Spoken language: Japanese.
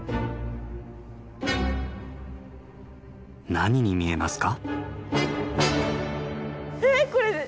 何に見えますか？